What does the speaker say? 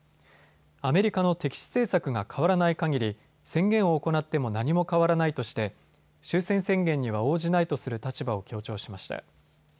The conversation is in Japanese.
アメリカの敵視政策が変わらないかぎり宣言を行っても何も変わらないとして終戦宣言には応じないとする立場を強調しました。